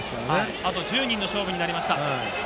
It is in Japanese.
あと１０人の勝負になりました